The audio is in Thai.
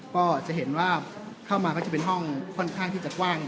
ก็จะเห็นว่าเข้ามาก็จะเป็นห้องค่อนข้างที่จะกว้าง